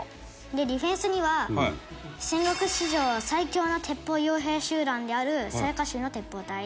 ディフェンスには戦国史上最強の鉄砲傭兵集団である雑賀衆の鉄砲隊。